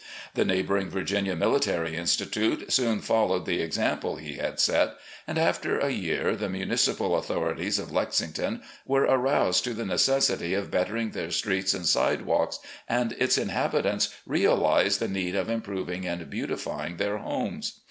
The neighbouring Virginia Military Institute soon followed the example he had set, and after a year the mimicipal authorities of Lexington were aroused to the necessity of bettering their streets and sidewalks, and its inhabitants realised the need of improving and beautifpng their homes.